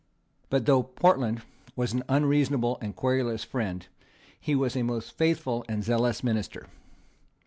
But, though Portland was an unreasonable and querulous friend, he was a most faithful and zealous minister.